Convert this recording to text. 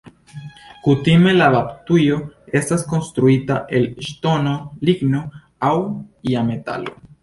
Kutime la baptujo estas konstruita el ŝtono, ligno aŭ ia metalo.